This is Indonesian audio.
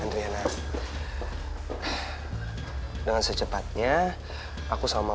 eh eh tante cantik